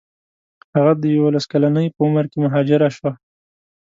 هغه د یوولس کلنۍ په عمر کې مهاجره شوه.